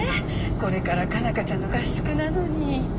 これから佳奈花ちゃんの合宿なのに。